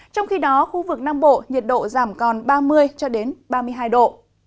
trong khi đó khu vực nam bộ nhiệt độ giảm còn ba mươi ba mươi hai độ